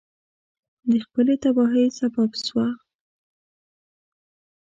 د خپلې تباهی سبب سوه.